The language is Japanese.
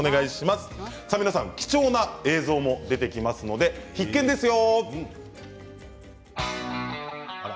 皆さん貴重な映像も出てきますので必見ですよ。